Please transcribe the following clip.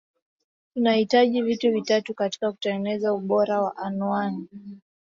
tunahitaji vitu vitatu katika kutengeneza ubora wa anuani